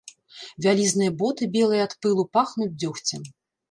Вялізныя боты, белыя ад пылу, пахнуць дзёгцем.